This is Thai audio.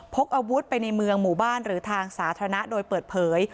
พกอาวุธไปในเมืองหมู่บ้านหรือทางสาธารณะโดยเปิดเผย